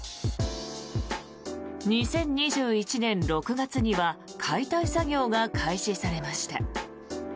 ２０２１年６月には解体作業が開始されました。